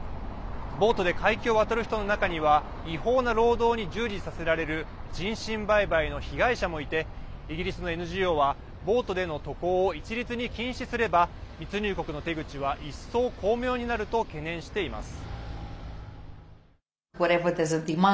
ボートで海峡を渡る人の中には違法な労働に従事させられる人身売買の被害者もいてイギリスのＮＧＯはボートでの渡航を一律に禁止すれば密入国の手口は一層巧妙になると懸念しています。